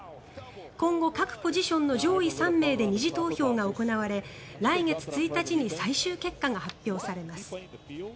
今後、各ポジションの上位３名で２次投票が行われ来月１日に最終結果が発表されます。